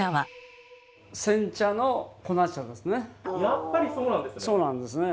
やっぱりそうなんですね！